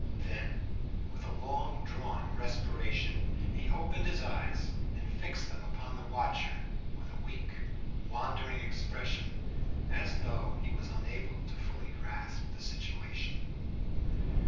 Then with a long drawn respiration, he opened his eyes, and fixed them upon the watcher with a weak, wandering expression, as though he was unable to fully grasp the situation.